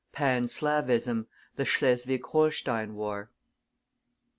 PANSLAVISM THE SCHLESWIG HOLSTEIN WAR.